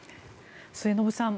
末延さん